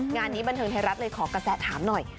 งานนี้บันเทิงไทยรัฐเลยขอกระแสถามหน่อย